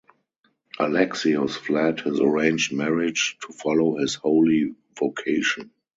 Alexius fled his arranged marriage to follow his holy vocation.